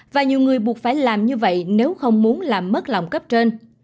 và nhiều người buộc phải làm như vậy nếu không muốn làm mất lòng cấp trên